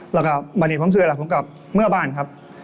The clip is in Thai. แล้วก็วันนี้ผมซื้อแล้วผมกลับเมื่อบ้านครับ